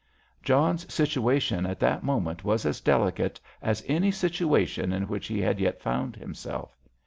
John's situation at that moment was as delicate as any situation in which he had yet found himself.